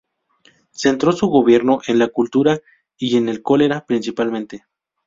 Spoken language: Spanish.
Centró su gobierno en la cultura y en el cólera principalmente.